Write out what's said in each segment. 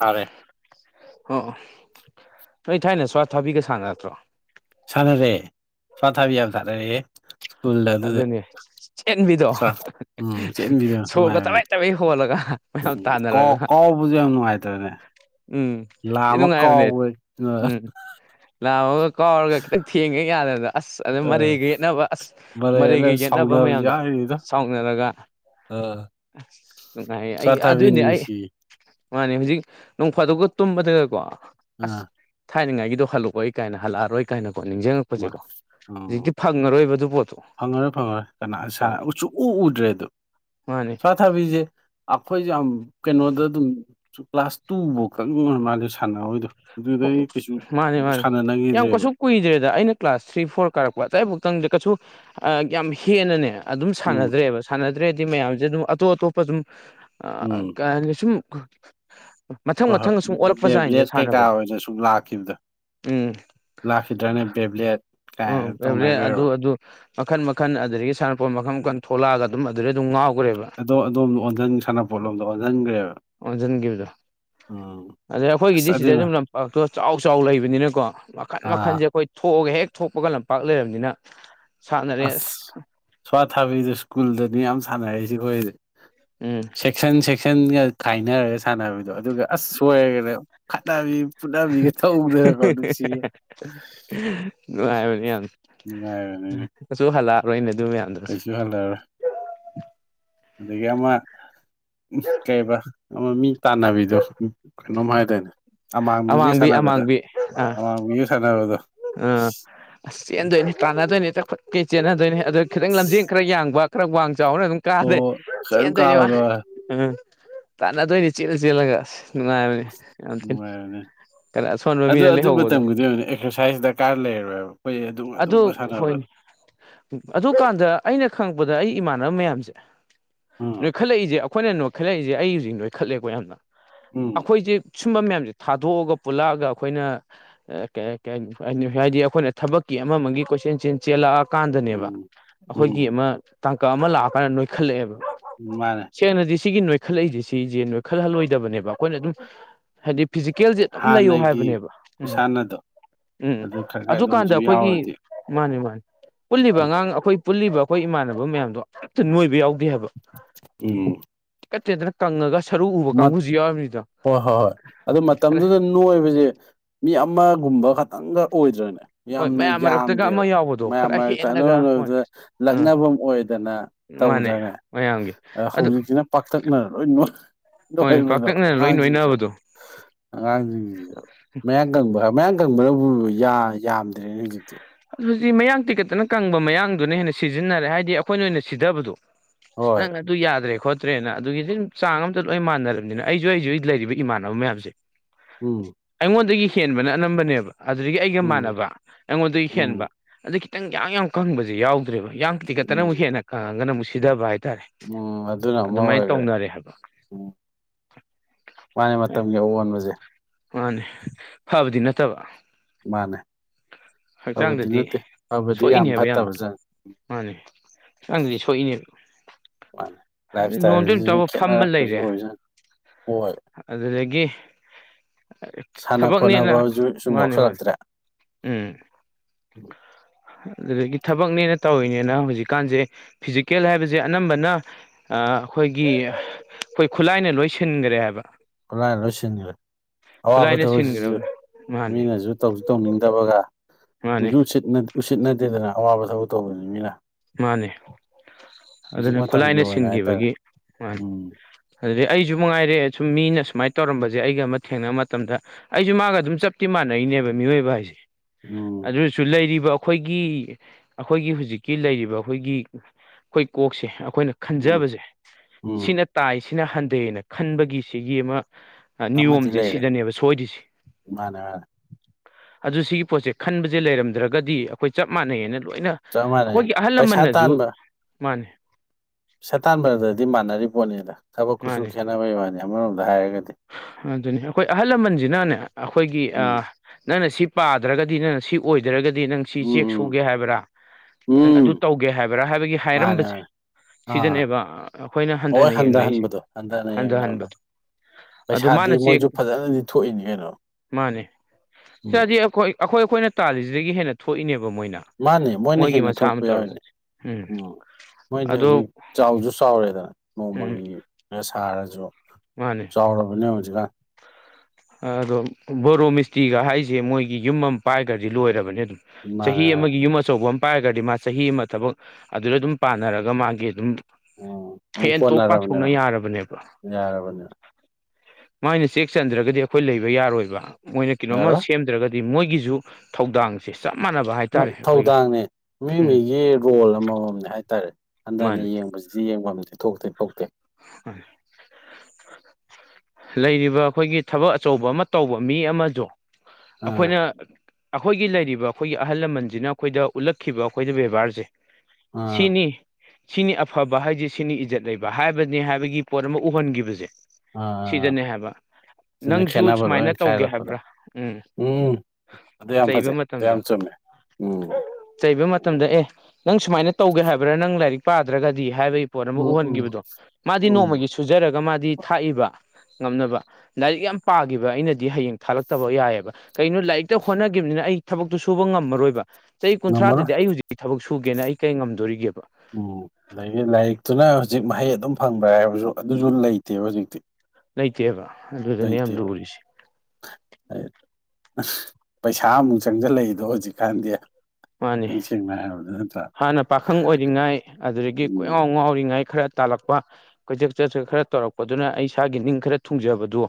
ꯑꯔꯦ ꯑꯣ ꯑꯣ ꯅꯣꯏ ꯊꯥꯏꯅ ꯁ꯭ꯋꯥ ꯊꯥꯕꯤꯒ ꯁꯥꯥꯟꯅꯔꯛꯇ꯭ꯔꯣ ꯁꯥꯟꯅꯔꯛꯑꯦ ꯁ꯭ꯋꯥ ꯊꯥꯕꯤ ꯌꯥꯝ ꯁꯥꯟꯅꯔꯛꯑꯦ ꯁ꯭ꯀꯨꯜꯗ ꯑꯗꯨꯗꯤ ꯑꯗꯨꯅꯦ ꯆꯦꯟꯕꯤꯗꯣ ꯁ꯭ꯋꯥ ꯎꯝ ꯆꯦꯟꯕꯤꯗꯣ ꯁꯣꯔꯒ ꯅꯨꯡꯉꯥꯏꯕꯅꯦ ꯇꯕꯩ ꯇꯕꯩ ꯍꯣꯜꯂꯒ ꯃꯌꯥꯝ ꯎꯝ ꯀꯥꯎ ꯇꯥꯟꯅꯔꯒ ꯀꯥꯎꯕꯁꯨ ꯌꯥꯝ ꯅꯨꯡꯉꯥꯏꯇ꯭ꯔꯥꯅꯦ ꯎꯝ ꯂꯥꯃ ꯀꯥꯎꯕ ꯑ ꯂꯥꯝꯃꯒ ꯀꯥꯎꯔꯒ ꯈꯤꯇꯪ ꯊꯦꯡꯒꯤ ꯌꯥꯗꯗꯣ ꯑꯁ ꯑꯗꯨꯝ ꯑ ꯃꯔꯩꯒ ꯌꯦꯠꯅꯕ ꯑꯁ ꯃꯔꯩ ꯑꯃ ꯂꯩꯔ ꯃꯔꯩꯒ ꯌꯦꯠꯅꯕ ꯁꯥꯎꯅꯕꯁꯨ ꯃꯌꯥꯝꯗꯣ ꯌꯥꯎꯔꯤꯅꯤꯗꯣ ꯁꯥꯎꯅꯔꯒ ꯑꯁ ꯅꯨꯡꯉꯥꯏꯌꯦ ꯁ꯭ꯋꯥ ꯑꯩ ꯊꯥꯕꯤ ꯑꯗꯨꯅꯦ ꯑꯩ ꯅꯨꯡꯁꯤꯌꯦ ꯃꯥꯅꯦ ꯍꯧꯖꯤꯛ ꯅꯣꯡꯐꯥꯗꯣꯛꯒ ꯇꯨꯝꯕꯗꯒꯀꯣ ꯑꯁ ꯑꯥ ꯊꯥꯏꯅꯉꯩꯒꯤꯗꯣ ꯍꯜꯂꯛꯑꯣꯏ ꯀꯥꯏꯅ ꯍꯂꯛꯑꯔꯣꯏ ꯀꯥꯏꯅꯀꯣ ꯅꯤꯡꯖꯪꯉꯛ ꯃꯥ ꯄꯖꯤꯀꯣ ꯎꯝ ꯍꯧꯖꯤꯛꯇꯤ ꯐꯪꯉꯔꯣꯏꯕ ꯑꯗꯨ ꯄꯣꯠꯇꯣ ꯐꯪꯉꯔꯣꯏ ꯐꯪꯉꯔꯣꯏ ꯀꯅꯥ ꯁꯥ ꯎꯁꯨ ꯎ ꯎꯗ꯭ꯔꯦꯗꯨ ꯃꯥꯅꯦ ꯁꯠ ꯊꯕꯤꯁꯦ ꯑꯩꯈꯣꯏꯁꯦ ꯌꯥꯝ ꯀꯩꯅꯣꯗ ꯑꯗꯨꯝ ꯁꯨ ꯀ꯭ꯂꯥꯁ ꯇꯨꯕꯧꯇꯪ ꯑꯣꯏ ꯃꯥꯜꯂꯦ ꯁꯥꯟꯅꯍꯧꯔꯤꯗꯣ ꯑꯗꯨꯗꯩ ꯀꯩꯁꯨ ꯃꯥꯅꯤ ꯃꯥꯅꯤ ꯌꯥꯝ ꯁꯥꯟꯅꯅꯈꯤꯗ꯭ꯔꯦꯕ ꯀꯩꯁꯨ ꯀꯨꯏꯗ꯭ꯔꯦꯗ ꯑꯩꯅ ꯀ꯭ꯂꯥꯁ ꯊ꯭ꯔꯤ ꯐꯣꯔ ꯀꯥꯔꯛꯄ ꯑꯗꯥꯏꯐꯧꯇꯪꯗꯤ ꯀꯩꯁꯨ ꯑ ꯌꯥꯝ ꯍꯦꯟꯅꯅꯦ ꯑꯗꯨꯝ ꯎꯝ ꯁꯥꯟꯅꯗ꯭ꯔꯦꯕ ꯁꯥꯟꯅꯗ꯭ꯔꯦꯗꯤ ꯃꯌꯥꯝꯁꯦ ꯑꯗꯨꯝ ꯑꯇꯣꯞ ꯑꯇꯣꯞꯄ ꯑꯗꯨꯝ ꯑ ꯎꯝ ꯀꯩꯍꯥꯏꯅꯤ ꯁꯨꯝ ꯃꯊꯪ ꯍꯣꯏ ꯍꯣꯏ ꯃꯊꯪ ꯁꯨꯝ ꯑꯣꯜꯂꯛꯄꯖꯥꯠꯅꯤꯗ ꯕꯦꯕ꯭ꯂꯦꯠ ꯀꯩꯀꯥ ꯁꯥꯟꯅꯕꯁꯦ ꯑꯣꯏꯅ ꯁꯨꯝ ꯂꯥꯛꯈꯤꯕꯗ ꯎꯝ ꯂꯥꯛꯈꯤꯗ꯭ꯔꯅꯦ ꯕꯦꯕ꯭ꯂꯦꯠ ꯎꯝ ꯀꯥꯏꯅ ꯐꯦꯕꯣꯔꯥꯏꯠ ꯑꯗꯨ ꯇꯧꯅꯈ꯭ꯔꯦꯕ ꯑꯗꯨ ꯃꯈꯟ ꯃꯈꯜ ꯑꯗꯨꯗꯒꯤ ꯁꯥꯟꯅꯄꯣꯠ ꯃꯈꯟ ꯃꯈꯟ ꯊꯣꯛꯂꯛꯑꯒ ꯑꯗꯨꯝ ꯑꯗꯨꯗ ꯑꯗꯨꯝ ꯉꯥꯎꯈ꯭ꯔꯦꯕ ꯑꯗꯣ ꯑꯗꯣꯝꯗ ꯑꯣꯟꯖꯟ ꯁꯥꯟꯄꯣꯠꯂꯣꯝꯗ ꯑꯣꯟꯖꯟꯒ꯭ꯔꯦꯕ ꯑꯣꯖꯟꯒꯤꯕꯗꯣ ꯎꯝ ꯑꯗ ꯑꯁ ꯑꯩꯈꯣꯏꯒꯤꯗꯤ ꯁꯤꯗ ꯑꯗꯨꯅ ꯑꯗꯨꯝ ꯂꯝꯄꯥꯛꯇꯣ ꯆꯥꯎ ꯆꯥꯎ ꯂꯩꯕꯅꯤꯅꯀꯣ ꯃꯈꯟ ꯑꯥ ꯃꯈꯟꯁꯦ ꯑꯩꯈꯣꯏ ꯊꯣꯛꯑꯒ ꯍꯦꯛ ꯊꯣꯛꯄꯒ ꯂꯝꯄꯥꯛ ꯂꯩꯔꯕꯅꯤꯅ ꯑꯁ ꯁ꯭ꯋꯥ ꯊꯥꯕꯤꯗꯣ ꯁ꯭ꯀꯨꯜꯗꯅꯤ ꯌꯥꯝ ꯁꯥꯟꯅꯔꯛꯏꯁꯤ ꯑꯩꯈꯣꯏꯗꯤ ꯎꯝ ꯁꯦꯛꯁꯟ ꯁꯦꯛꯁꯟꯒ ꯈꯥꯏꯅꯔꯒ ꯁꯥꯟꯅꯕꯗꯣ ꯑꯗꯨꯒ ꯑꯁ ꯁꯣꯏꯔꯒꯅ ꯈꯠꯅꯕꯤ ꯐꯨꯅꯕꯤꯒ ꯇꯧꯗꯅꯀꯣ ꯅꯨꯡꯁꯤꯌꯦ ꯅꯨꯡꯉꯥꯏꯕꯅꯤ ꯌꯥꯝ ꯅꯨꯉꯥꯏꯕꯅꯤꯅꯦ ꯀꯩꯁꯨ ꯍꯜꯂꯛꯑꯔꯣꯏꯅꯦ ꯑꯗꯨ ꯃꯌꯥꯝ ꯀꯩꯁꯨ ꯍꯜꯂꯑꯔꯣꯏ ꯑꯗꯒꯤ ꯑꯃ ꯎ ꯀꯩꯕ ꯑꯃ ꯃꯤ ꯇꯥꯟꯅꯕꯤꯗꯣ ꯀꯩꯅꯣꯝ ꯍꯥꯏꯗꯥꯏꯅꯦ ꯑꯃꯥꯡꯕꯤꯒ ꯑꯃꯥꯡꯕꯤ ꯁꯥꯟꯅꯕꯗꯣ ꯑꯃꯥꯡꯕꯤ ꯑꯥ ꯑꯃꯥꯡꯕꯤꯒ ꯁꯥꯟꯅꯕꯗꯣ ꯑꯥ ꯑꯁ ꯆꯦꯟꯗꯣꯏꯅꯤ ꯇꯥꯟꯅꯗꯣꯏꯅꯤ ꯍꯦꯠꯇ ꯈꯨꯠꯀꯩ ꯆꯦꯟꯅꯗꯣꯏꯅꯤ ꯑꯗꯨ ꯈꯤꯇꯪ ꯂꯝꯖꯦꯟ ꯈꯔ ꯌꯥꯡꯕ ꯈꯔ ꯋꯥꯡ ꯆꯥꯎꯕꯅ ꯑꯗꯨꯝ ꯀꯥꯔꯦ ꯑꯣ ꯀꯔꯤꯝ ꯆꯦꯟꯗꯣꯏꯅꯦ ꯃꯥ ꯀꯥꯕꯗꯣ ꯑꯁ ꯎꯝ ꯇꯥꯟꯅꯗꯣꯏꯅꯤ ꯆꯦꯜꯂ ꯆꯦꯜꯂꯒ ꯅꯨꯡꯉꯥꯏꯕꯅꯦ ꯌꯥꯝ ꯊꯤꯅ ꯅꯨꯡꯉꯥꯏꯕꯅꯦ ꯈꯔ ꯑꯁꯣꯟꯕ ꯑꯗꯨ ꯃꯤꯅ ꯑꯗꯨꯏ ꯂꯩꯍꯧꯕꯗꯣ ꯃꯇꯝꯒꯤꯗꯤ ꯑꯣꯏꯅ ꯑꯦꯛꯁꯔꯁꯥꯏꯁ ꯗꯔꯀꯥꯔ ꯂꯩꯔꯣꯏꯕ ꯑꯩꯈꯣꯏ ꯑꯗꯨ ꯑꯗꯨꯝꯕ ꯁꯥꯟꯅꯕꯗ ꯑꯗꯨꯀꯥꯟꯗ ꯑꯩꯅ ꯈꯪꯉꯛꯄꯗ ꯑꯩ ꯏꯃꯥꯟꯅꯕ ꯃꯌꯥꯝꯁꯦ ꯎꯝ ꯅꯣꯏꯈꯠꯂꯛꯏꯖꯦ ꯑꯩꯈꯣꯏꯅ ꯅꯣꯏ ꯈꯠꯂꯛꯏꯖꯦ ꯑꯩ ꯍꯧꯖꯤꯛ ꯅꯣꯏ ꯈꯜꯂꯦꯀꯣ ꯌꯥꯝꯅ ꯎꯝ ꯑꯩꯈꯣꯏꯖꯦ ꯁꯨꯝꯕ ꯃꯌꯥꯝꯖꯦ ꯊꯥꯗꯣꯛꯑꯒ ꯄꯨꯜꯂꯛꯑꯒ ꯑꯩꯈꯣꯏꯅ ꯑꯥ ꯀꯩ ꯀꯩ ꯍꯥꯏꯅꯤ [unintelligible] ꯍꯥꯏꯗꯤ ꯑꯩꯈꯣꯏꯅ ꯊꯕꯛꯀꯤ ꯑꯃ ꯃꯥꯒꯤ ꯀꯣꯏꯆꯦꯟ ꯆꯦꯟ ꯆꯦꯜꯂꯛꯑꯀꯥꯟꯗꯅꯦꯕ ꯎꯝ ꯑꯩꯈꯣꯏꯒꯤ ꯑꯃ ꯎꯝ ꯇꯥꯡꯀꯛ ꯑꯃ ꯂꯥꯛꯑꯀꯥꯟꯗ ꯅꯣꯏꯈꯠꯂꯛꯑꯦꯕ ꯎꯝ ꯃꯥꯅꯦ ꯁꯦꯡꯅꯗꯤ ꯁꯤꯒꯤ ꯅꯣꯏꯈꯠꯂꯛꯏꯖꯦ ꯁꯤꯖꯦ ꯅꯣꯏꯈꯠꯍꯜꯂꯣꯏꯗꯕꯅꯦꯕ ꯑꯩꯈꯣꯏꯅ ꯑꯗꯨꯝ ꯍꯥꯏꯗꯤ ꯐꯤꯖꯤꯀꯦꯜꯖꯦ ꯑꯗꯨꯝ ꯂꯩꯌꯣ ꯍꯥꯟꯅꯒꯤ ꯍꯥꯏꯕꯅꯦꯕ ꯎꯝ ꯈꯨꯁꯥꯟꯅꯗꯣ ꯎꯝ ꯑꯗꯨ ꯈꯔ ꯈꯔꯗ ꯑꯗꯨꯀꯥꯟꯗ ꯑꯣꯏꯁꯨ ꯑꯈꯣꯏꯒꯤ ꯌꯥꯎꯔꯗꯤ ꯃꯥꯅꯤ ꯃꯥꯅꯤ ꯄꯨꯜꯂꯤꯕ ꯎꯝ ꯑꯉꯥꯡ ꯑꯩꯈꯣꯏ ꯄꯨꯜꯂꯤꯕ ꯑꯩꯈꯣꯏ ꯏꯃꯥꯟꯅꯕ ꯃꯌꯥꯝꯗꯣ ꯑꯝꯇ ꯅꯣꯏꯕ ꯌꯥꯎꯗꯦ ꯍꯥꯏꯕ ꯎꯝ [unintelligible] ꯇꯦꯗꯅ ꯀꯪꯉꯒ ꯁꯔꯨ ꯎ ꯃꯠ ꯍꯣꯏ ꯍꯣꯏ ꯍꯣꯏ ꯑꯗꯨ ꯈꯔ ꯃꯇꯝꯗꯨꯗ ꯅꯣꯏꯕꯖꯦ ꯃꯤ ꯑꯃꯒꯨꯝꯕ ꯈꯇꯪꯒ ꯑꯣꯏꯗ꯭ꯔꯥꯅꯦ ꯍꯣꯏ ꯌꯥꯝꯅ ꯃꯌꯥꯝ ꯃꯔꯛꯇꯒ ꯑꯃ ꯌꯥꯝꯗꯦꯕ ꯌꯥꯎꯕꯗꯣ ꯃꯌꯥꯝ ꯈꯔ ꯃꯔꯛꯇꯥ ꯑꯅꯣꯏ ꯍꯦꯟꯅꯒ ꯍꯣꯏ ꯑꯅꯣꯏꯕꯗ ꯑꯥ ꯂꯛꯅꯕꯝ ꯑꯣꯏꯗꯅ ꯃꯥꯅꯦ ꯇꯧꯗ꯭ꯔꯥꯅꯦ ꯃꯌꯥꯝꯒꯤ ꯑꯗꯨ ꯍꯧꯖꯤꯛꯁꯤꯅ ꯄꯥꯛꯇꯛꯅ ꯂꯣꯏ ꯅꯣꯏ ꯍꯣꯏꯅꯦ ꯅꯣꯏꯕꯗꯣ ꯄꯥꯛꯇꯛꯅꯅ ꯂꯣꯏ ꯑꯉꯥꯡꯖꯤꯡꯖꯨ ꯅꯣꯏꯅꯕꯗꯣ ꯑꯉꯥꯡꯖꯤꯡꯖꯤꯖꯨ ꯃꯌꯥꯡ ꯀꯪꯕ ꯍꯥꯏ ꯃꯌꯥꯡ ꯀꯪꯕꯅꯕꯨ ꯌꯥ ꯌꯥꯝꯗ꯭ꯔꯦꯅꯦ ꯍꯧꯖꯤꯛꯇꯤ ꯍꯧꯖꯤꯛꯇꯤ ꯃꯌꯥꯡ ꯇꯤꯀꯠꯇꯅ ꯀꯪꯕ ꯃꯌꯥꯡꯗꯨꯅ ꯍꯦꯟꯅ ꯁꯤꯖꯤꯟꯅꯔꯦ ꯍꯥꯏꯗꯤ ꯑꯩꯈꯣꯏꯅ ꯑꯣꯏꯅ ꯁꯤꯗꯕꯗꯣ ꯍꯣꯏ ꯁꯤꯗꯅ ꯑꯗꯨ ꯌꯥꯗ꯭ꯔꯦ ꯈꯣꯠꯇ꯭ꯔꯦꯅ ꯑꯗꯨꯒꯤꯗꯤ ꯑꯗꯨꯝ ꯆꯥꯡ ꯑꯝꯗ ꯂꯣꯏ ꯃꯥꯟꯅꯔꯕꯅꯤꯅ ꯑꯩꯖꯨ ꯑꯩꯖꯨ ꯑꯩ ꯂꯩꯔꯤꯕ ꯏꯃꯥꯟꯅꯕ ꯃꯌꯥꯝꯖꯦ ꯎꯝ ꯑꯩꯉꯣꯟꯗꯒꯤ ꯍꯦꯟꯕꯅ ꯑꯅꯝꯕꯅꯦꯕ ꯑꯗꯨꯗꯒꯤ ꯑꯩꯒ ꯎꯝ ꯃꯥꯟꯅꯕ ꯑꯩꯉꯣꯟꯗꯒꯤ ꯍꯦꯟꯕ ꯎꯝ ꯑꯗꯥ ꯈꯤꯇꯪ ꯌꯥꯡ ꯌꯥꯝ ꯀꯪꯕꯖꯦ ꯌꯥꯎꯗ꯭ꯔꯦꯕ ꯌꯥꯡ ꯇꯤꯀꯠꯇꯅ ꯑꯃꯨꯛ ꯎꯝ ꯍꯦꯟꯅ ꯀꯥꯡꯉꯥꯒꯅ ꯑꯃꯨꯛ ꯁꯤꯗꯕ ꯍꯥꯏꯇꯥꯔꯦ ꯎꯝ ꯑꯗꯨꯅ ꯑꯃꯥ ꯑꯗꯨꯃꯥꯏꯅ ꯑꯣꯏꯒ꯭ꯔꯦ ꯇꯧꯅꯔꯦ ꯍꯥꯏꯕ ꯎꯝ ꯃꯥꯅꯦ ꯃꯇꯝꯒꯤ ꯑꯋꯣꯟꯕꯖꯦ ꯃꯥꯅꯦ ꯐꯕꯗꯤ ꯅꯠꯇꯕ ꯃꯥꯅꯦ ꯐꯕꯗꯤ ꯍꯛꯆꯥꯡꯗꯗꯤ ꯅꯠꯇꯦ ꯐꯕꯗꯤ ꯌꯥꯝ ꯁꯣꯛꯏꯅꯦꯕ ꯌꯥꯝꯅ ꯐꯠꯇꯕ ꯖꯠꯅꯦ ꯃꯥꯅꯦ ꯍꯛꯆꯥꯡꯗꯗꯤ ꯁꯣꯛꯏꯅꯦ ꯃꯥꯅꯦ ꯂꯥꯏꯐ ꯏꯁꯇꯥꯏꯜꯖꯤꯖꯨ ꯈꯦꯠꯅꯔꯛꯄꯩꯖꯨ ꯂꯩꯔꯦ ꯑꯣꯏꯔꯤ ꯖꯥꯠꯅꯤ ꯍꯣꯏ ꯑꯗꯨꯗꯒꯤ ꯁꯥꯟꯅ ꯊꯕꯛꯅꯦꯅ ꯈꯣꯠꯅꯕꯁꯨ ꯁꯨꯝ ꯃꯥꯅꯤ ꯃꯥꯅꯤ ꯌꯥꯎꯁꯜꯂꯛꯇ꯭ꯔꯦ ꯎꯝ ꯑꯗꯨꯗꯒꯤ ꯊꯕꯛꯅꯦꯅ ꯇꯧꯔꯤꯅꯦꯅ ꯍꯧꯖꯤꯛꯀꯥꯟꯖꯦ ꯐꯤꯖꯤꯀꯦꯜ ꯍꯥꯏꯕꯖꯦ ꯑꯥꯅꯝꯕꯅ ꯑꯥ ꯑꯩꯈꯣꯏꯒꯤ ꯑꯩꯈꯣꯏ ꯈꯨꯠꯂꯥꯏꯅ ꯂꯣꯏ ꯁꯤꯟꯒꯥꯔꯦ ꯍꯥꯏꯕ ꯈꯨꯟꯂꯥꯏꯅ ꯂꯣꯏ ꯁꯤꯟꯒ꯭ꯔꯦ ꯑꯋꯥꯕ ꯈꯨꯠꯂꯥꯏꯅ ꯊꯕꯛꯁꯤꯁꯨ ꯁꯤꯟꯈ꯭ꯔꯕꯅꯤ ꯃꯥꯅꯦ ꯃꯤꯅꯖꯨ ꯇꯧꯖꯨ ꯇꯧꯅꯤꯡꯗꯕꯒ ꯎꯖꯨ ꯃꯥꯅꯦ ꯎꯁꯤꯠꯏ ꯎꯁꯤꯠꯅꯗꯦꯗꯅ ꯑꯋꯥꯕ ꯊꯕꯛ ꯇꯧꯕꯖꯦ ꯃꯤꯅ ꯃꯥꯅꯦ ꯍꯧꯖꯤꯛ ꯑꯗꯨꯅꯦ ꯃꯇꯝꯒꯤ ꯈꯨꯠꯂꯥꯏꯅ ꯑꯣꯏꯅ ꯍꯥꯏꯇꯥꯔꯦ ꯁꯤꯟꯒꯤꯕꯒꯤ ꯃꯥꯅꯦ ꯎꯝ ꯑꯗꯨꯗꯩꯩ ꯑꯩꯖꯨ ꯃꯉꯥꯏꯔꯦ ꯁꯨꯝ ꯃꯤꯅ ꯁꯨꯃꯥꯏ ꯇꯧꯔꯝꯕꯖꯦ ꯑꯩꯒ ꯑꯃꯥ ꯊꯦꯡꯅꯕ ꯃꯇꯝꯗ ꯑꯩꯖꯨ ꯃꯥꯒ ꯑꯗꯨꯝ ꯆꯞꯇꯤ ꯃꯥꯅꯩꯅꯦꯕ ꯃꯤꯑꯣꯏꯕ ꯍꯥꯏꯖꯦ ꯎꯝ ꯑꯗꯣꯏꯁꯨ ꯂꯩꯔꯤꯕ ꯑꯈꯣꯏꯒꯤ ꯑꯈꯣꯏꯒꯤ ꯍꯧꯖꯤꯛ ꯀꯤ ꯂꯩꯔꯤꯕ ꯑꯈꯣꯏꯒꯤ ꯑꯥꯈꯣꯏ ꯀꯣꯛꯁꯦ ꯑꯥꯈꯣꯏꯅ ꯎꯝ ꯈꯟꯖꯕꯁꯦ ꯎꯝ ꯁꯤꯅꯠ ꯇꯥꯏ ꯁꯤꯅ ꯍꯟꯗꯩꯅ ꯈꯟꯕꯒꯤ ꯁꯤꯒꯤ ꯑꯃ ꯑ ꯑꯃꯗꯤ ꯅꯤꯌꯣꯝꯁꯦ ꯂꯩꯔꯦ ꯁꯤꯗꯅꯦꯕ ꯁꯣꯏꯔꯤꯁꯦ꯫ ꯃꯥꯅꯦ ꯃꯥꯅꯦ ꯑꯗꯨ ꯁꯤꯒꯤ ꯄꯣꯠꯁꯦ ꯈꯟꯕꯖꯦ ꯂꯩꯔꯝꯗ꯭ꯔꯒꯗꯤ ꯑꯈꯣꯏ ꯆꯞ ꯃꯥꯅꯩꯅ ꯂꯣꯏꯅ ꯆꯞ ꯃꯥꯟꯅꯩ ꯑꯈꯣꯏꯒꯤ ꯑꯍꯜ ꯄꯩꯁꯥ ꯂꯥꯃꯟꯅꯖꯨ ꯇꯥꯟꯕ ꯃꯥꯅꯦ꯫ ꯄꯩꯁꯥ ꯇꯥꯟꯕꯗꯗꯤ ꯃꯥꯟꯅꯔꯤ ꯄꯣꯠꯅꯤꯗ ꯊꯕꯛ ꯈꯨꯁꯨ ꯈꯦꯠꯅꯕꯩ ꯋꯥꯅꯤ ꯑꯃꯥꯔꯣꯝꯗ ꯍꯥꯏꯔꯒꯗꯤ꯫ ꯑꯗꯨꯅꯦ ꯑꯈꯣꯏ ꯑꯍꯜ ꯂꯥꯃꯟꯖꯤꯅꯅꯦ ꯑꯥꯈꯣꯏꯒꯤ ꯑꯥ ꯎꯝ ꯅꯪꯅ ꯁꯤ ꯄꯥꯗ꯭ꯔꯒꯗꯤ ꯅꯪꯅ ꯁꯤ ꯑꯣꯏꯗ꯭ꯔꯒꯗꯤ ꯅꯪ ꯁꯤ ꯆꯦꯛ ꯎꯝ ꯎꯝ ꯁꯨꯒꯦ ꯍꯥꯏꯕꯔꯥ ꯅꯪ ꯑꯗꯨ ꯎꯝ ꯇꯧꯒꯦ ꯍꯥꯏꯕꯔꯥ ꯍꯥꯏꯕꯒꯤ ꯃꯥꯅꯦ ꯍꯥꯏꯔꯝꯕꯖꯦ꯫ ꯃꯥꯅꯦ ꯑꯥ ꯁꯤꯗꯅꯦꯕ ꯑꯈꯣꯏꯅ ꯍꯣꯏ ꯍꯟꯗꯅ ꯌꯦꯡꯅꯩꯁꯦ ꯍꯟꯊꯍꯟꯕꯗꯣ ꯍꯟꯊꯅ ꯌꯦꯡꯅꯕꯗꯣ ꯍꯟꯗꯍꯟꯕꯗꯣ꯫ ꯑꯗꯨ ꯄꯩꯁꯥꯗꯤ ꯃꯥꯅ ꯆꯦꯛ ꯃꯣꯏꯁꯨ ꯐꯖꯅꯗꯤ ꯊꯣꯛꯏꯅꯤ ꯀꯩꯅꯣ ꯃꯥꯅꯦ ꯆꯗꯤ ꯎꯝ ꯑꯥꯈꯣꯏ ꯑꯈꯣꯏ ꯑꯈꯣꯏꯅ ꯇꯥꯜꯂꯤꯖꯤꯗꯒꯤ ꯍꯦꯟꯅ ꯊꯣꯛꯏꯅꯦꯕ ꯃꯣꯏꯅ꯫ ꯃꯥꯅꯦ ꯃꯣꯏꯅ ꯃꯣꯏꯒꯤ ꯍꯦꯟꯅ ꯃꯆꯥ ꯊꯣꯛꯄ ꯑꯃ ꯇꯧꯔꯒ ꯌꯥꯎꯔꯤꯅꯦ ꯎꯝ ꯃꯣꯏꯗꯤ ꯑꯗꯣ ꯍꯧꯖꯤꯛ ꯆꯥꯎꯖꯨ ꯆꯥꯎꯔꯦꯗꯅ ꯎꯝ ꯅꯣꯡꯃꯒꯤ ꯁꯥꯔꯖꯨ ꯃꯥꯅꯦ ꯆꯥꯎꯔꯕꯅꯦ ꯍꯧꯖꯤꯛꯀꯥꯟ꯫ ꯑꯗꯣ ꯕꯣꯔꯣ ꯃꯤꯁꯇꯤꯒ ꯍꯥꯏꯖꯦ ꯃꯣꯏꯒꯤ ꯌꯨꯝ ꯑꯃꯥꯒ ꯄꯥꯏꯒꯔꯗꯤ ꯂꯣꯏꯔꯕꯅꯦ ꯑꯗꯨꯝ꯫ ꯃꯥꯅꯦ ꯆꯍꯤ ꯃꯥꯅꯦ ꯑꯃꯥꯒꯤ ꯌꯨꯝ ꯑꯆꯧꯕ ꯑꯝ ꯄꯥꯏꯒ꯭ꯔꯗꯤ ꯃꯥ ꯆꯍꯤ ꯑꯃꯥ ꯊꯕꯛ ꯑꯗꯨꯗ ꯑꯗꯨꯝ ꯄꯥꯟꯅꯔꯒ ꯃꯥꯒꯤ ꯑꯗꯨꯝ ꯑꯥ ꯑꯗꯨꯝ ꯍꯦꯟ ꯇꯣꯛ ꯄꯥꯊꯣꯛꯅ ꯀꯣꯟꯅꯔꯕꯅꯦꯕ ꯌꯥꯔꯕꯅꯦꯕ ꯌꯥꯔꯕꯅꯦꯕ꯫ ꯃꯥꯏꯅ ꯆꯦꯛ ꯆꯟꯗ꯭ꯔꯒꯗꯤ ꯑꯩꯈꯣꯏ ꯂꯩꯕ ꯌꯥꯔꯣꯏꯕ ꯃꯣꯏꯅ ꯀꯤꯅꯣꯝꯃꯥ ꯌꯥꯔꯣꯏ ꯁꯦꯝꯗ꯭ꯔꯒꯗꯤ ꯃꯣꯏꯒꯤꯖꯨ ꯊꯧꯗꯥꯡꯖꯦ ꯆꯞ ꯃꯥꯟꯅꯕ ꯃꯣꯏ ꯍꯥꯏꯇꯥꯔꯦ ꯑꯥꯈꯣꯏꯒ ꯊꯧꯗꯥꯡꯅꯦ ꯃꯤ ꯎꯝ꯫ ꯃꯤꯒꯤ ꯔꯣꯜ ꯑꯃꯥꯃꯝꯅꯦ ꯍꯥꯏꯇꯥꯔꯦ ꯍꯟꯗꯅ ꯃꯥꯅꯤ ꯌꯦꯡꯕꯖꯤꯗꯤ ꯌꯦꯡꯕꯝꯗꯤ ꯊꯣꯛꯇꯤ ꯊꯣꯛꯇꯦ꯫ [unintelligible] ꯂꯩꯔꯤꯕ ꯑꯈꯣꯏꯒꯤ ꯊꯕꯛ ꯑꯆꯧꯕ ꯑꯃꯥ ꯇꯧꯕ ꯃꯤ ꯑꯃꯥꯗꯣ ꯑꯥ ꯑꯈꯣꯏꯅ ꯑꯥꯈꯣꯏꯒꯤ ꯂꯩꯔꯤꯕ ꯑꯥꯈꯣꯏꯒꯤ ꯑꯍꯜ ꯂꯃꯟꯖꯤꯅ ꯑꯥꯈꯣꯏꯗ ꯎꯠꯂꯛꯈꯤꯕ ꯑꯥꯈꯣꯏꯗ ꯕꯦꯕꯥꯔꯖꯦ꯫ ꯑꯥ ꯁꯤꯅꯤ ꯁꯤꯅꯤ ꯑꯐꯕ ꯍꯥꯏꯖꯦ ꯁꯤꯅꯤ ꯏꯖꯠ ꯂꯩꯕ ꯍꯥꯏ ꯕꯅꯦ ꯍꯥꯏꯕꯒꯤ ꯄꯣꯠ ꯑꯃ ꯎꯍꯟꯒꯤꯕꯖꯦ ꯑꯥ ꯁꯤꯗꯅꯦ ꯍꯥꯏꯕ꯫ ꯁꯤꯅ ꯅꯪꯁꯨ ꯈꯦꯠꯅꯕ ꯁꯨꯃꯥꯏꯅ ꯂꯣꯏꯅ ꯇꯧꯒꯦ ꯈꯥꯏꯔꯛꯄꯗꯣ ꯍꯥꯏꯕ꯭ꯔꯥ ꯎꯝ ꯎꯝ꯫ ꯑꯗꯨ ꯌꯥꯝ ꯆꯩꯕ ꯐꯖꯩ ꯑꯗꯨ ꯃꯇꯝꯗ ꯌꯥꯝ ꯆꯨꯝꯃꯦ ꯎꯝ꯫ ꯆꯩꯕ ꯃꯇꯝꯗ ꯑꯦ ꯅꯪ ꯁꯨꯃꯥꯏꯅ ꯇꯧꯒꯦ ꯍꯥꯏꯕ꯭ꯔꯥ ꯅꯪ ꯂꯥꯏꯔꯤꯛ ꯄꯥꯗ꯭ꯔꯒꯗꯤ ꯍꯥꯏꯕꯒꯤ ꯄꯣꯠ ꯑꯃꯥ ꯎꯝ ꯎꯝ ꯎꯍꯟꯒꯤꯕꯗꯣ꯫ ꯃꯥꯗꯤ ꯎꯝ ꯅꯣꯡꯃꯒꯤ ꯁꯨꯖꯔꯒ ꯃꯥꯗꯤ ꯊꯥꯛꯏꯕ ꯉꯝꯅꯕ꯫ ꯂꯥꯏꯔꯤꯛ ꯌꯥꯝ ꯄꯥꯒꯤꯕ ꯑꯩꯅꯗꯤ ꯍꯌꯦꯡ ꯊꯥꯂꯛꯇꯕ ꯌꯥꯏꯌꯦꯕ꯫ ꯀꯩꯅꯣ ꯂꯥꯏꯔꯤꯛꯇ ꯍꯣꯠꯅꯒꯤꯕꯅꯤꯅ ꯑꯩ ꯊꯕꯛꯇꯣ ꯁꯨꯕ ꯉꯝꯃꯔꯣꯏꯕ꯫ ꯆꯍꯤ ꯉꯝꯃꯔꯣꯏ ꯀꯨꯟꯊ꯭ꯔꯥꯗꯗꯤ ꯑꯩ ꯍꯧꯖꯤꯛ ꯊꯕꯛ ꯁꯨꯒꯦꯅ ꯑꯩ ꯀꯩ ꯉꯝꯗꯣꯔꯤꯒꯦꯕ꯫ ꯎꯝ ꯑꯗꯒꯤ ꯂꯥꯏꯔꯤꯛꯇꯨꯅ ꯍꯧꯖꯤꯛ ꯃꯍꯩ ꯑꯗꯨꯝ ꯐꯪꯕ꯭ꯔꯥ ꯍꯥꯏꯕꯁꯨ ꯑꯗꯨꯁꯨ ꯂꯩꯇꯦꯕ ꯍꯧꯖꯤꯛꯇꯤ꯫ ꯂꯩꯇꯦꯕ ꯑꯗꯨꯗꯅꯦ ꯌꯥꯝ ꯂꯨꯔꯤꯁꯦ꯫ ꯑꯁ ꯄꯩꯁꯥ ꯑꯃꯨꯛ ꯆꯪꯖꯜꯂꯛꯏꯗꯣ ꯍꯧꯖꯤꯛꯀꯥꯟꯗꯤ꯫ ꯃꯥꯅꯦ ꯁꯦꯡ ꯁꯦꯡꯅ ꯍꯥꯏꯔꯕꯗ ꯅꯠꯇ꯭ꯔꯥ ꯍꯥꯟꯅ ꯄꯥꯈꯪ ꯑꯣꯏꯔꯤꯉꯥꯏ ꯑꯗꯨꯗꯒꯤ ꯎꯝ ꯀꯣꯏꯉꯥꯎ ꯉꯥꯎꯔꯤꯉꯥꯏ ꯈꯔ ꯇꯥꯜꯂꯛꯄ ꯀꯣꯏꯆꯠ ꯆꯠꯁꯠ ꯈꯔ ꯇꯧꯔꯛꯄꯗꯨꯅ ꯑꯩ ꯏꯁꯥꯒꯤ ꯅꯤꯡ ꯈꯔ ꯊꯨꯡꯖꯕꯗꯣ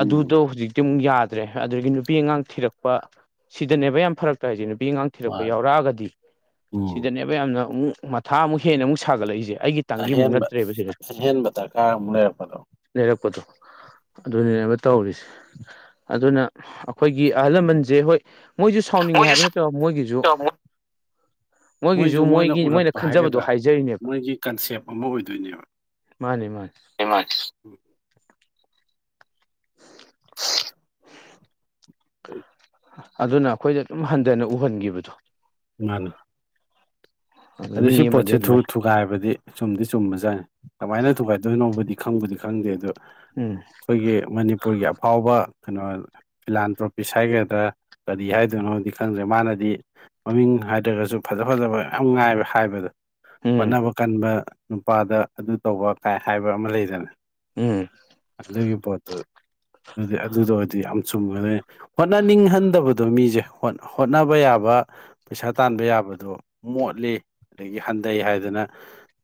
ꯎꯝ ꯍꯧꯖꯤꯛ ꯇꯤꯝ ꯌꯥꯗ꯭ꯔꯦ ꯑꯗꯨꯗꯒꯤ ꯅꯨꯄꯤ ꯑꯉꯥꯡ ꯊꯤꯔꯛꯄ ꯁꯤꯗꯅꯦꯕ ꯌꯥꯝ ꯐꯔꯛꯇ ꯍꯥꯏꯁꯦ ꯅꯨꯄꯤ ꯑꯉꯥꯡ ꯊꯤꯔꯛꯄ ꯃꯥꯅꯤ ꯌꯥꯎꯔꯛꯑꯒꯗꯤ ꯎꯝ ꯁꯤꯗꯅꯦꯕ ꯌꯥꯝꯅ ꯑꯃꯨꯛ ꯃꯊꯥ ꯑꯃꯨꯛ ꯍꯦꯟꯅ ꯑꯃꯨꯛ ꯁꯥꯒꯠꯂꯛꯏꯁꯦ ꯑꯩꯒꯤ ꯇꯪꯒꯤ ꯑꯃꯨꯛ ꯑꯍꯦꯟꯕ ꯅꯠꯇ꯭ꯔꯦꯕ ꯁꯤꯗ ꯑꯍꯦꯟꯕ ꯗꯔꯀꯥꯔ ꯑꯃꯨꯛ ꯂꯩꯔꯛꯄꯗꯣ꯫ ꯂꯩꯔꯛꯄꯗꯣ ꯑꯗꯨꯅꯤꯅꯦꯕ ꯇꯧꯔꯤꯁꯦ꯫ ꯑꯗꯨꯅ ꯑꯈꯣꯏꯒꯤ ꯑꯍꯜ ꯂꯃꯟꯁꯦ ꯍꯣꯏ ꯃꯣꯏꯁꯨꯦ ꯁꯥꯎꯅꯤꯡꯉꯦ ꯍꯥꯏꯕ ꯃꯣꯏꯁꯨ ꯅꯠꯇ꯭ꯔꯕ ꯃꯣꯏꯒꯤꯁꯨ [unintelligible] ꯃꯣꯏꯁꯨ ꯃꯣꯏꯒꯤꯁꯨ ꯃꯣꯏꯅ ꯃꯣꯏꯒꯤ ꯎꯔꯛꯄ ꯈꯟꯖꯕꯗꯣ ꯍꯥꯏꯒꯗ꯭ꯔꯥ ꯍꯥꯏꯖꯔꯤꯅꯦꯕ ꯃꯣꯏꯒꯤ ꯀꯟꯁꯦꯞ ꯑꯃ ꯑꯣꯏꯗꯣꯏꯅꯦꯕ ꯃꯥꯅꯤ ꯃꯥꯅꯤ [inaudible] [inaudible] [unintelligible] ꯑꯗꯨꯅ ꯑꯩꯈꯣꯏꯗ ꯑꯗꯨꯝ ꯍꯟꯗꯅ ꯎꯍꯟꯒꯤꯕꯗꯣ ꯃꯥꯅꯦ ꯑꯗꯨ ꯁꯤ ꯃꯤ ꯑꯃꯗꯤ ꯄꯣꯠꯁꯦ ꯑꯗꯨꯃꯥꯏ ꯊꯨꯊꯨꯒꯥꯏꯕꯗꯤ ꯆꯨꯝꯗꯤ ꯆꯨꯝꯕꯖꯠꯅꯤ ꯀꯃꯥꯏꯅ ꯊꯨꯒꯥꯏꯗꯣꯏꯅꯣꯕꯨꯗꯤ ꯈꯪꯕꯗꯤ ꯈꯪꯗꯦ ꯑꯗꯣ ꯎꯝ ꯑꯩꯈꯣꯏꯒꯤ ꯃꯅꯤꯄꯨꯔꯒꯤ ꯑꯐꯥꯎꯕ ꯀꯩꯅꯣ ꯐꯤꯂꯥꯟ ꯇ꯭ꯔꯣꯄꯤꯁ ꯍꯥꯏꯒꯗ꯭ꯔꯥ ꯀꯔꯤ ꯍꯥꯏꯗꯣꯏꯅꯣꯗꯤ ꯈꯪꯗ꯭ꯔꯦ ꯃꯥꯅꯗꯤ ꯃꯃꯤꯡ ꯍꯥꯏꯗ꯭ꯔꯒꯁꯨ ꯐꯖ ꯐꯖꯕ ꯌꯥꯝ ꯉꯥꯏꯕ ꯍꯥꯏꯕꯗ ꯎꯝ ꯍꯣꯠꯅꯕ ꯀꯟꯕ ꯅꯨꯄꯥꯗ ꯑꯗꯨ ꯇꯧꯕ ꯀꯥꯏ ꯍꯥꯏꯕ ꯑꯃ ꯂꯩꯗꯅ ꯎꯝ ꯑꯗꯨꯒꯤ ꯄꯣꯠꯇꯨ ꯑꯗꯨꯗꯤ ꯑꯗꯨꯗꯣ ꯑꯣꯏꯔꯗꯤ ꯌꯥꯝ ꯆꯨꯝꯈ꯭ꯔꯦ ꯍꯣꯠꯅꯅꯤꯡꯍꯟꯗꯕꯗꯣ ꯃꯤꯁꯦ ꯍꯣꯠ ꯍꯣꯠꯅꯕ ꯌꯥꯕ ꯄꯩꯁꯥ ꯇꯥꯟꯕ ꯌꯥꯕꯗꯣ ꯃꯣꯠꯂꯤ ꯑꯗꯒꯤ ꯍꯟꯗꯩ ꯍꯥꯏꯗꯅ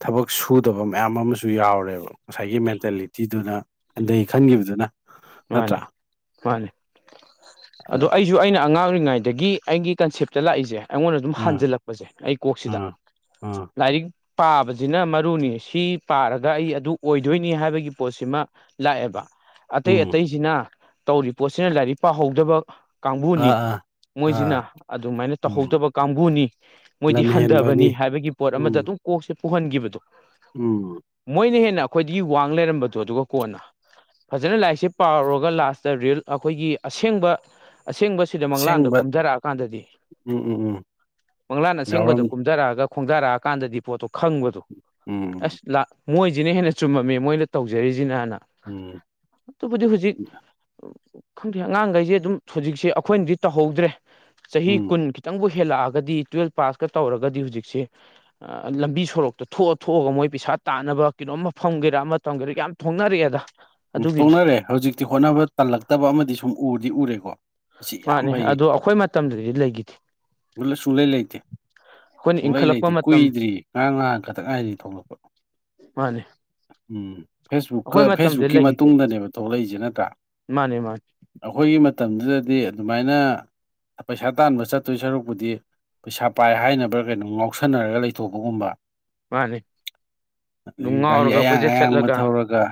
ꯊꯕꯛ ꯁꯨꯗꯕ ꯃꯌꯥꯝ ꯑꯃꯁꯨ ꯌꯥꯎꯔꯦꯕ ꯉꯁꯥꯏꯒꯤ ꯃꯦꯟꯇꯦꯂꯤꯇꯤꯗꯨꯅ ꯍꯟꯗꯩ ꯈꯟꯒꯤꯕꯗꯨꯅ ꯃꯥꯅꯦ ꯃꯥꯅꯤ ꯑꯗꯣ ꯑꯗ ꯑꯩ ꯁꯨ ꯑꯩꯅ ꯑꯉꯥꯡ ꯑꯣꯏꯔꯤꯉꯩꯗꯒꯤ ꯑꯩꯒꯤ ꯀꯟꯁꯦꯞꯇ ꯂꯥꯛꯏꯁꯦ ꯑꯩꯉꯣꯟꯗ ꯑꯗꯨꯝ ꯑꯥ ꯍꯟꯖꯜꯂꯛꯄꯁꯦ ꯑꯩ ꯀꯣꯛꯁꯤꯗ ꯑꯥ ꯑꯥ ꯂꯥꯏꯔꯤꯛ ꯄꯥꯕꯁꯤꯅ ꯃꯔꯨꯅꯤ ꯁꯤ ꯄꯥꯔꯒ ꯑꯩ ꯑꯗꯨ ꯑꯣꯏꯗꯣꯏꯅꯤ ꯍꯥꯏꯕꯒꯤ ꯄꯣꯠꯁꯤꯃꯥ ꯂꯥꯛꯑꯦꯕ ꯑꯇꯩ ꯎꯝ ꯑꯇꯩꯁꯤꯅ ꯇꯧꯔꯤ ꯄꯣꯠꯁꯤꯅ ꯂꯥꯏꯔꯤꯛ ꯄꯥꯍꯧꯗꯕ ꯑꯥ ꯀꯥꯡꯕꯨꯅꯤ ꯑꯥ ꯑꯥ ꯃꯣꯏꯁꯤꯅ ꯑꯗꯨꯃꯥꯏꯅ ꯎꯝ ꯇꯧꯍꯧꯗꯕ ꯀꯥꯡꯕꯨꯅꯤ ꯃꯣꯏꯗꯤ ꯂꯝꯍꯦꯟꯕꯅꯤ ꯍꯟꯗꯕꯅꯤ ꯍꯥꯏꯕꯒꯤ ꯄꯣꯠ ꯑꯃꯗ ꯎꯝ ꯑꯗꯨꯝ ꯀꯣꯛꯁꯦ ꯄꯨꯍꯟꯒꯤꯕꯗꯣ ꯎꯝ ꯃꯣꯏꯅ ꯍꯦꯟꯅ ꯑꯩꯈꯣꯏꯗꯒꯤ ꯋꯥꯡ ꯂꯩꯔꯝꯕꯗꯣ ꯑꯗꯨꯒ ꯀꯣꯟꯅ ꯐꯖꯅ ꯂꯥꯏꯔꯤꯛꯁꯦ ꯄꯥꯎꯔꯨꯔꯒ ꯂꯥꯁꯇ ꯔꯤꯜ ꯑꯩꯈꯣꯏꯒꯤ ꯑꯁꯦꯡꯕ ꯑꯁꯦꯡꯕ ꯁꯤꯗ ꯃꯪꯂꯥꯟꯗ ꯑꯁꯦꯡꯕ ꯀꯨꯝꯗꯔꯛꯑꯀꯥꯟꯗꯗꯤ ꯎꯝ ꯎꯝ ꯎꯝ ꯃꯪꯂꯥꯟ ꯌꯥꯎꯔꯝ ꯑꯁꯦꯡꯕꯗꯣ ꯀꯨꯝꯗꯔꯛꯑꯒ ꯈꯣꯡꯗꯥꯔꯛꯑꯀꯥꯟꯗꯗꯤ ꯄꯣꯠꯇꯣ ꯈꯪꯕꯗꯣ ꯎꯝ ꯑꯁ ꯂꯥꯛ ꯃꯣꯏꯁꯤꯅ ꯍꯦꯟꯅ ꯆꯨꯝꯃꯝꯃꯤ ꯃꯣꯏꯅ ꯇꯧꯖꯔꯤꯁꯤꯅꯅ ꯎꯝ ꯑꯗꯨꯕꯨꯗꯤ ꯍꯧꯖꯤꯛ ꯈꯪꯗꯦ ꯑꯉꯥꯡꯈꯩꯁꯦ ꯑꯗꯨꯝ ꯍꯧꯖꯤꯛꯁꯦ ꯑꯩꯈꯣꯏꯅꯗꯤ ꯇꯧꯍꯧꯗ꯭ꯔꯦ ꯆꯍꯤ ꯎꯝ ꯀꯨꯟ ꯈꯤꯇꯪꯕꯨ ꯍꯦꯜꯂꯛꯑꯒꯗꯤ ꯇꯨꯋꯦꯜꯞ ꯄꯥꯁꯀ ꯇꯧꯔꯒꯗꯤ ꯍꯧꯖꯤꯛꯁꯦ ꯂꯝꯕꯤ ꯁꯣꯔꯣꯛꯇ ꯊꯣꯛꯑ ꯊꯣꯛꯑꯒ ꯃꯣꯏ ꯄꯩꯁꯥ ꯇꯥꯟꯅꯕ ꯀꯩꯅꯣꯝꯃ ꯐꯪꯒꯦꯔꯥ ꯑꯃ ꯇꯝꯒꯦꯔꯥ ꯌꯥꯝ ꯊꯣꯛꯅꯔꯛꯑꯦꯗ ꯎꯝ ꯑꯗꯨꯒꯤꯗꯤ ꯊꯣꯛꯅꯔꯦ ꯍꯧꯖꯤꯛꯇꯤ ꯍꯣꯠꯅꯕ ꯇꯜꯂꯛꯇꯕ ꯑꯃꯗꯤ ꯁꯨꯝ ꯎꯗꯤ ꯎꯔꯦꯀꯣ ꯑꯁꯤ ꯌꯥꯝ ꯃꯥꯅꯦ ꯑꯗꯣ ꯑꯩꯈꯣꯏ ꯃꯇꯝꯗꯗꯤ ꯂꯩꯈꯤꯗꯦ [unintelligible] ꯁꯨꯡꯂꯩ ꯂꯩꯇꯦ ꯑꯩꯈꯣꯏꯅ ꯁꯨꯡꯂꯩ ꯏꯟꯈꯠꯂꯛꯄ ꯂꯩꯇꯦ ꯃꯇꯝ ꯀꯨꯏꯗ꯭ꯔꯤ ꯉꯥꯥꯔꯥꯡ ꯉꯍꯥꯟ ꯈꯛꯇꯛ ꯉꯥꯏꯔꯤ ꯊꯣꯛꯂꯛꯄ ꯃꯥꯅꯦ ꯎꯝ ꯐꯦꯁꯕꯨꯛꯀ ꯑꯩꯈꯣꯏ ꯃꯇꯝꯗ ꯐꯦꯁꯕꯨꯛꯀꯤ ꯂꯩꯈꯤꯗꯦꯕ ꯃꯇꯨꯡꯗꯅꯦꯕ ꯊꯣꯛꯂꯛꯏꯁꯦ ꯅꯠꯇ꯭ꯔꯥ ꯃꯥꯅꯦ ꯃꯥꯅꯦ ꯑꯩꯈꯣꯏꯒꯤ ꯃꯇꯝꯗꯨꯗꯗꯤ ꯑꯗꯨꯃꯥꯏꯅ ꯄꯩꯁꯥ ꯇꯥꯟꯕ ꯆꯠꯇꯣꯏ ꯁꯔꯨꯛꯄꯨꯗꯤ ꯄꯩꯁꯥ ꯄꯥꯏ ꯍꯥꯏꯅꯕ꯭ꯔꯥ ꯀꯩꯅꯣ ꯉꯥꯎꯁꯟꯅꯔꯒ ꯂꯩꯊꯣꯛꯄꯒꯨꯝꯕ ꯃꯥꯅꯦ ꯑꯗꯨꯝ ꯑꯗꯒꯤ ꯒꯥꯔꯤ ꯉꯥꯎꯔꯒ ꯑꯌꯥꯡ ꯀꯣꯏꯆꯠ ꯑꯌꯥꯡꯕ ꯆꯠꯂꯒ ꯊꯧꯔꯒ꯫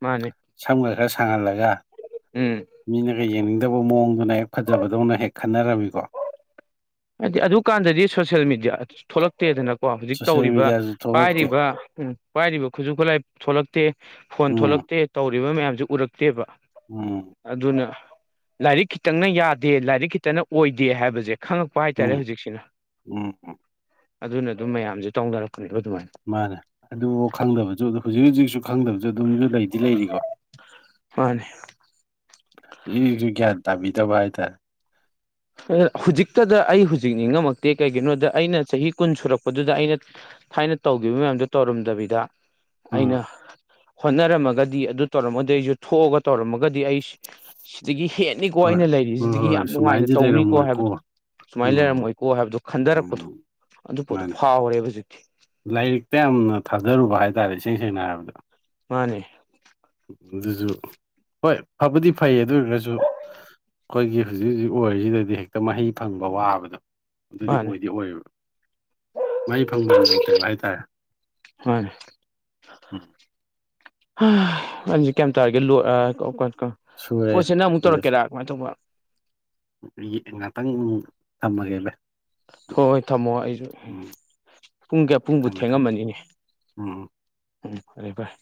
ꯃꯥꯅꯦ꯫ ꯁꯝꯒ ꯈꯔ ꯁꯥꯡꯍꯜꯂꯒ꯫ ꯎꯝ ꯃꯤꯅꯒ ꯌꯦꯡꯅꯤꯡꯗꯕ ꯃꯑꯣꯡꯗꯨꯅ ꯍꯦꯛ ꯐꯖꯕꯗꯧꯅ ꯍꯦꯛ ꯈꯟꯅꯔꯝꯃꯤꯀꯣ꯫ ꯍꯥꯏꯗꯤ ꯑꯗꯨꯀꯥꯟꯗꯗꯤ ꯁꯣꯁꯦꯜ ꯃꯦꯗꯤꯌꯥ ꯊꯣꯛꯂꯛꯇꯦꯗꯅ꯫ ꯀꯣ ꯍꯧꯖꯤꯛ ꯁꯣꯁꯦꯜ ꯇꯧꯔꯤꯕ ꯃꯦꯗꯤꯌꯥꯁꯨ ꯊꯣꯛꯂꯛꯇꯦ ꯄꯥꯏꯔꯤꯕ ꯄꯥꯏꯔꯤꯕ ꯈꯨꯠꯁꯨ ꯈꯨꯠꯂꯥꯏ ꯊꯣꯛꯂꯛꯇꯦ ꯐꯣꯟ ꯎꯝ ꯊꯣꯛꯂꯛꯇꯦ ꯇꯧꯔꯤꯕ ꯃꯌꯥꯝꯁꯤ ꯎꯔꯛꯇꯦꯕ꯫ ꯎꯝ꯫ ꯑꯗꯨꯅ ꯂꯥꯏꯔꯤꯛ ꯈꯤꯇꯪꯅ ꯌꯥꯗꯦ ꯂꯥꯏꯔꯤꯛ ꯈꯤꯇꯅ ꯑꯣꯏꯗꯦ ꯍꯥꯏꯕꯁꯦ ꯈꯪꯉꯛ ꯄꯥꯏꯇꯥꯔꯦ ꯎꯝ ꯍꯧꯖꯤꯛꯁꯤꯅ ꯎꯝ ꯑꯗꯨꯅ ꯑꯗꯨꯝ ꯃꯌꯥꯝꯁꯦ ꯇꯧꯅꯔꯛꯄꯅꯦꯕ ꯑꯗꯨꯃꯥꯏꯅ꯫ ꯃꯥꯅꯦ ꯑꯗꯨꯕꯨ ꯈꯪꯗꯕꯁꯨ ꯑꯗꯨ ꯍꯧꯖꯤꯛ ꯍꯧꯖꯤꯛꯁꯨ ꯈꯪꯗꯕ ꯗꯨ ꯑꯗꯨꯝꯁꯨ ꯂꯩꯗꯤ ꯂꯩꯔꯤꯀꯣ꯫ ꯃꯥꯅꯦ ꯁꯤꯁꯨ ꯒ꯭ꯌꯥꯟ ꯇꯥꯕꯤꯗꯕ ꯍꯥꯏꯇꯥꯔꯦ꯫ ꯍꯧꯖꯤꯛꯇꯗ ꯑꯩ ꯍꯧꯖꯤꯛ ꯅꯤꯡꯉꯝꯃꯛꯇꯦ ꯀꯩꯒꯤꯅꯣꯗ ꯑꯩꯅ ꯆꯍꯤ ꯀꯨꯟ ꯁꯨꯔꯛꯄꯗꯨꯗ ꯑꯩꯅ ꯊꯥꯏꯅ ꯇꯧꯈꯤꯕ ꯃꯌꯥꯝꯗꫭ ꯇꯧꯔꯝꯗꯕꯤꯗ ꯑꯩꯅ ꯎꯝ ꯍꯣꯠꯅꯔꯝꯃꯒꯗꯤ ꯑꯗꯨ ꯇꯧꯔꯝꯃꯗꯤ ꯑꯩꯁꯨ ꯊꯣꯛꯑꯒ ꯇꯧꯔꯝꯃꯒꯗꯤ ꯑꯩ ꯁꯤꯗꯒꯤ ꯍꯦ ꯅꯤꯀꯣ ꯍꯣꯏ ꯑꯩꯅ ꯍꯣꯏ ꯂꯩꯔꯤꯁꯤꯗꯒꯤ ꯍꯣꯏ ꯌꯥꯝ ꯅꯨꯡꯉꯥꯏꯅ ꯁꯨꯃꯥꯏꯅꯗꯤ ꯇꯧꯅꯤꯀꯣ ꯂꯩꯔꯝꯃꯣꯏꯀꯣ ꯍꯥꯏꯕꯗꯨ ꯁꯨꯃꯥꯏꯅ ꯎꯝ ꯂꯩꯔꯝꯃꯣꯏꯀꯣ ꯍꯥꯏꯕꯗꫭ ꯈꯟꯊꯔꯛꯄꯗꯣ꯫ ꯎꯝ ꯑꯗꯨ ꯄꯣꯠꯇꯣ ꯃꯥꯅꯦ ꯐꯥꯎꯔꯦꯕ ꯍꯧꯖꯤꯛꯇꯤ꯫ ꯂꯥꯏꯔꯤꯛꯇ ꯌꯥꯝꯅ ꯊꯥꯗꯔꯨꯕ ꯍꯥꯏꯇꯥꯔꯦ ꯏꯁꯦꯡ ꯁꯦꯡꯅ ꯍꯥꯏꯔꯕꯗ꯫ ꯃꯥꯅꯦ꯫ ꯑꯗꯨꯁꯨ ꯍꯣꯏ ꯐꯕꯨꯗꯤ ꯐꯩꯌꯦ ꯑꯗꯨ ꯑꯣꯏꯔꯒꯁꯨ ꯑꯩꯈꯣꯏꯒꯤ ꯍꯧꯖꯤꯛ ꯍꯧꯖꯤꯛ ꯑꯣꯏꯔꯤꯁꯤꯗꯗꯤ ꯍꯦꯛꯇ ꯃꯍꯩ ꯐꯪꯕ ꯋꯥꯕꯗꯣ꯫ ꯑꯗꯨꯗꯤ ꯃꯥꯅꯦ ꯑꯣꯏꯗꯤ ꯑꯣꯏꯌꯦꯕ ꯃꯍꯩ ꯐꯪꯕ ꯂꯩꯇꯕ ꯍꯥꯏꯇꯥꯔꯦ꯫ ꯍꯣꯏ꯫ ꯎꯝ [unintelligible] ꯁꯨꯔꯦ꯫ ꯄꯣꯠꯁꯦ ꯅꯪ ꯑꯃꯨꯛ ꯇꯧꯔꯛꯀꯦꯔꯥ ꯀꯃꯥꯏꯅ ꯇꯧꯕ ꯉꯥꯛꯇꯪ ꯊꯝꯃꯒꯦ ꯚꯥꯏ꯫ ꯍꯣ ꯍꯣꯏ ꯊꯝꯃꯣ ꯑꯩꯁꯨ ꯎꯝ꯫ ꯄꯨꯡ ꯀꯌꯥ ꯄꯨꯡꯕꯨ ꯊꯝꯃꯦ ꯊꯦꯡꯉꯝꯃꯅꯤꯅꯦ ꯎꯝ ꯐꯔꯦ ꯙꯥꯏ꯫